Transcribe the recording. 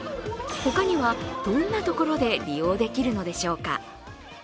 ほかには、どんなところで利用できるのでしょうか。